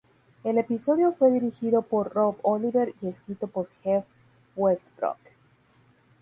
El episodio fue dirigido por Rob Oliver y escrito por Jeff Westbrook.